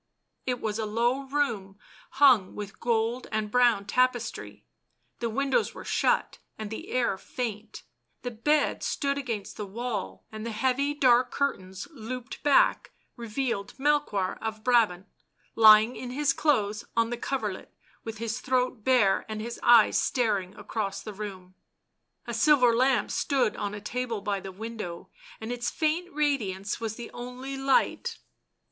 It was a low room, hung with gold and brown tapestry ; the windows were shut and the air faint ; the bed stood against the wall, and the heavy, dark cur tains, looped back, revealed Melchoir of Brabant, lying in his clothes on the coverlet with his throat bare and his eyes staring across the room. A silver lamp stood on a table by the window, and its faint radiance was the only light.